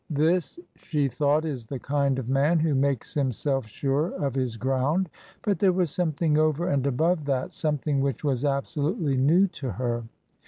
This, she thought, is the kind of man who makes him self sure of his ground. But there was something over and above that — something which was absolutely new to her.